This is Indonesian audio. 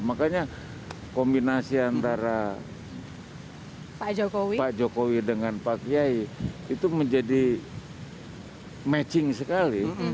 makanya kombinasi antara pak jokowi dengan pak kiai itu menjadi matching sekali